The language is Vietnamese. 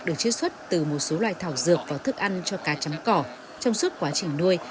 được chế xuất từ một số loài thảo dược và thức ăn cho cá chấm cỏ trong suốt quá trình nuôi